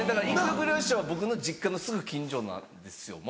くるよ師匠は僕の実家のすぐ近所なんですよ。